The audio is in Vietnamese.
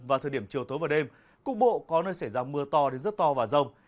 và thời điểm chiều tối và đêm cục bộ có nơi xảy ra mưa to đến rất to và rông